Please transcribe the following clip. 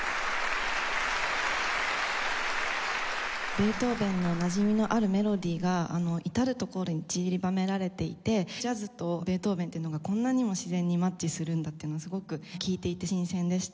ベートーヴェンのなじみのあるメロディーが至るところにちりばめられていてジャズとベートーヴェンっていうのがこんなにも自然にマッチするんだっていうのがすごく聴いていて新鮮でした。